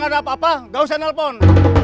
kalau gak ada apa apa gak usah nelpon